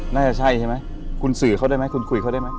น่าจะใช่ใช่ไหมคุณสื่อเขาได้ไหมคุณคุยเขาได้ไหม